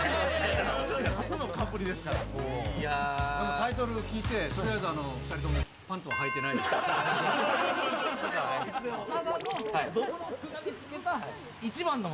タイトルを聞いてとりあえず２人ともパンツははいてないんですけども。